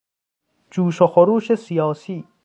جوش و خروش سیاسی